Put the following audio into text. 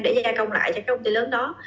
để gia công lại cho công ty lớn đó